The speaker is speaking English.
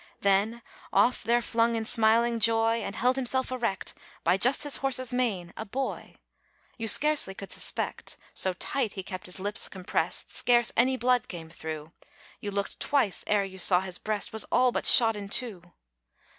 Then off there flung in smiling joy, And held himself erect By just his horse's mane, a boy: You scarcely could suspect (So tight he kept his lips compressed, Scarce any blood came through) You looked twice ere you saw his breast Was all but shot in two.